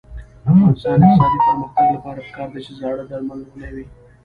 د افغانستان د اقتصادي پرمختګ لپاره پکار ده چې زاړه درمل نه وي.